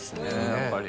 やっぱり。